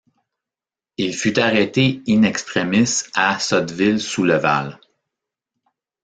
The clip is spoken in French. Il fut arrêté in extremis à Sotteville-sous-le-Val.